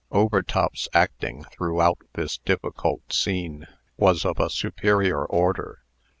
] Overtop's acting, throughout this difficult scene, was of a superior order.